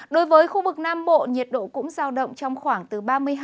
đối với khu vực nam bộ nhiệt độ cũng giao động trong khoảng từ ba mươi hai